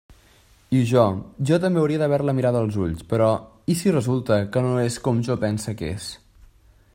I jo, jo també hauria d'haver-la mirada als ulls, però i si resulta que no és com jo pense que és?